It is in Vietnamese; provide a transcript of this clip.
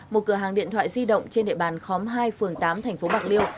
một cửa hàng điện thoại di động trên địa bàn khóm hai phường tám thành phố bạc liêu